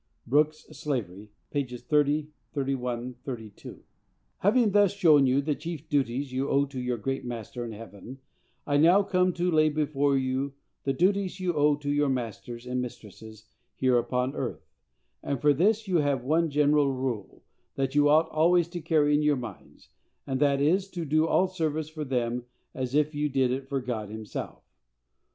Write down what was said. (Brooke's Slavery, pp. 30, 31, 32.) Having thus shown you the chief duties you owe to your great Master in heaven, I now come to lay before you the duties you owe to your masters and mistresses here upon earth; and for this you have one general rule that you ought always to carry in your minds, and that is, to do all service for them as if you did it for God himself.